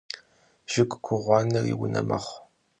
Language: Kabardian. Jjıg ku ğuaneri vune mexhu.